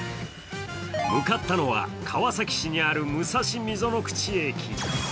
向かったのは川崎市にある武蔵溝ノ口駅。